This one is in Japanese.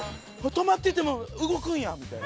止まってても動くんや！みたいな。